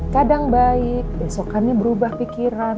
kadang baik besokannya berubah pikiran